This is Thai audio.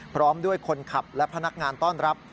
พร้อมด้วยคนขับและพนักงานต้อนรับ